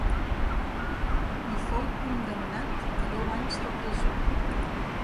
Hi fou condemnat a deu anys de presó.